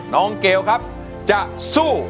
น้องเกลวครับจะสู้